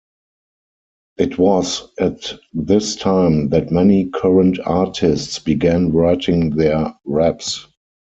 It was at this time that many current artists began writing their raps.